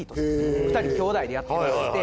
２人兄弟でやってまして。